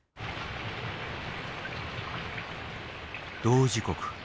同時刻。